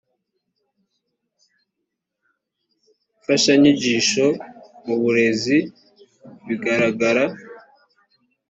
mfashanyigisho mu burezi bigaragara